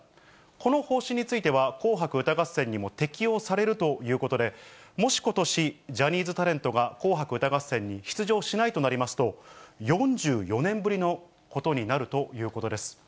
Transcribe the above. この方針については紅白歌合戦にも適用されるということで、もしことしジャニーズタレントが紅白歌合戦に出場しないとなりますと、４４年ぶりのことになるということです。